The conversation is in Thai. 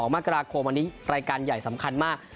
มกราคมวันนี้รายการใหญ่สำคัญมาก